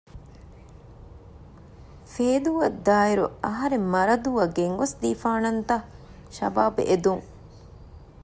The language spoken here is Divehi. ފޭދޫއަށްދާއިރު އަހަރެން މަރަދޫއަށް ގެންގޮސްދީފާނަންތަ؟ ޝަބާބް އެދުން